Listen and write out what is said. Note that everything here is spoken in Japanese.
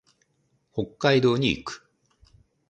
北海道に行く。